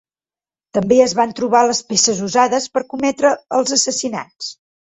També es van trobar les peces usades per cometre els assassinats.